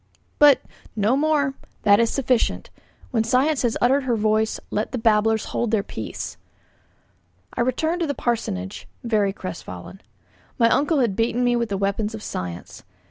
"But " 'No more; that is sufficient. When science has uttered her voice, let babblers hold their peace.' I returned to the parsonage, very crestfallen. My uncle had beaten me with the weapons of science.